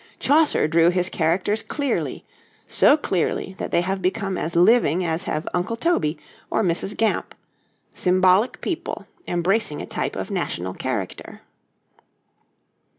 Chaucer drew his characters clearly so clearly that they have become as living as have Uncle Toby or Mrs. Gamp symbolic people, embracing a type of national character.